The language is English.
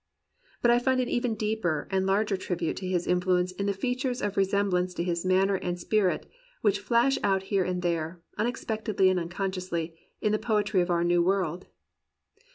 But I find an even deeper and larger tribute to Lis influence in the features of resemblance to his manner and spirit which flash out here and there, unexpectedly and unconsciously, in the poetry of our New World.